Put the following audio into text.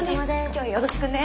今日はよろしくね。